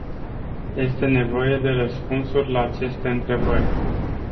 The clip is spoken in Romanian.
Este nevoie de răspunsuri la aceste întrebări.